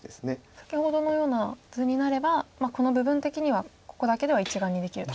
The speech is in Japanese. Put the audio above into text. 先ほどのような図になれば部分的にはここだけでは１眼にできると。